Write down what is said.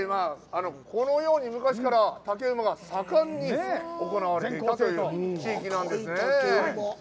このように昔から竹馬が盛んに行われていた地域なんですね。